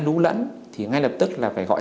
lũ lẫn thì ngay lập tức là phải gọi